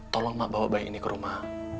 tolong mak bawa bayi ini ke rumah